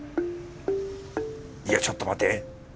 いやちょっと待て。